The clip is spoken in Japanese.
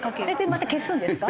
また消すんですか？